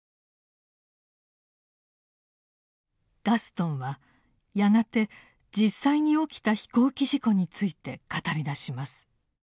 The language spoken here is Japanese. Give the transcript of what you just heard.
ガストンはやがて実際に起きた飛行機事故について語りだします。